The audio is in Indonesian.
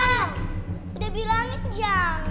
udah bilangin jangan